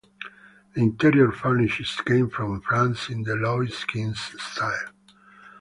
The interior furnishing came from France in the Louis Quinze style.